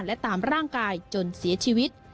และตามร่างกายจนเสียชีวิต